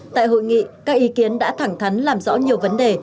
tại hội nghị các ý kiến đã thẳng thắn làm rõ nhiều vấn đề